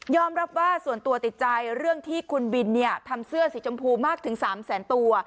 รับว่าส่วนตัวติดใจเรื่องที่คุณบินทำเสื้อสีชมพูมากถึง๓แสนตัว